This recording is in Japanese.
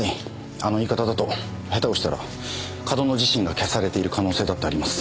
あの言い方だと下手をしたら上遠野自身が消されている可能性だってあります。